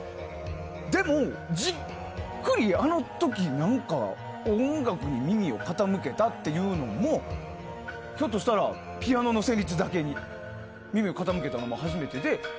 でも、じっくり、あの時、何か音楽に耳を傾けたっていうのもひょっとしたらピアノの旋律だけに耳を傾けたままでは初めてで。